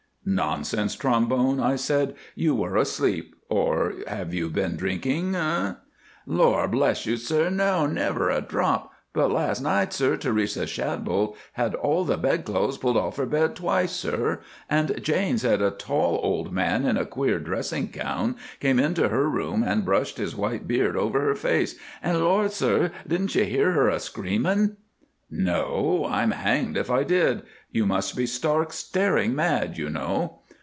"'Nonsense, Trombone,' I said, 'you were asleep, or have you been drinking, eh?' "'Lor' bless you, sir, no! never a drop; but last night, sir, Teresa Shadbolt had all the bedclothes pulled off her bed twice, sir, and Jane said a tall old man in a queer dressing gown came into her room and brushed his white beard over her face, and, lor', sir, didn't you hear her a screamin'?' "'No, I'm hanged if I did. You must all be stark, staring mad, you know.